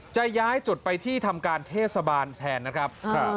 จะย้ายจุดไปที่ทำการเทศบาลแทนนะครับ